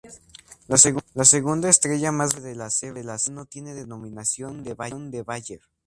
La segunda estrella más brillante de Lacerta no tiene denominación de Bayer.